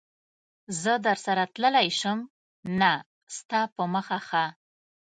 زه درسره تللای شم؟ نه، ستا په مخه ښه.